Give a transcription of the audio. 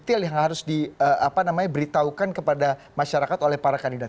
detail yang harus diberitahukan kepada masyarakat oleh para kandidat